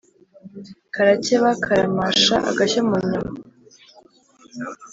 karakeba karamasha-agashyo mu nyama.